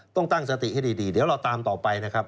ต้องตั้งสติให้ดีเดี๋ยวเราตามต่อไปนะครับ